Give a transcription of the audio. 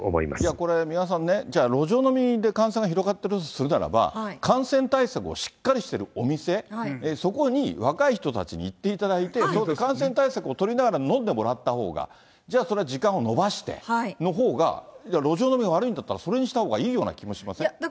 これ、三輪さんね、じゃあ、路上飲みで感染が広がってるとするならば、感染対策をしっかりしてるお店、そこに若い人たちに行っていただいて、感染対策を取りながら飲んでもらったほうが、じゃあ、それは時間を延ばしてのほうが、路上飲みが悪いんだったら、それにしたほうがいいような気もしません？